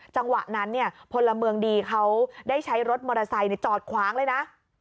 จังหวะนั้นเนี่ยพลเมืองดีเขาได้ใช้รถมอเตอร์ไซค์จอดขวางเลยนะ